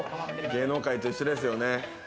芸能界と一緒ですよね。